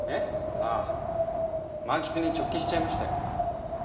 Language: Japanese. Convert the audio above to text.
ああ漫喫に直帰しちゃいましたよ。